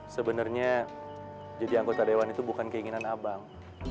sebenarnya jadi anggota dewan itu bukan keinginan abang